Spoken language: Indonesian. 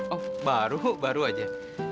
oh baru baru aja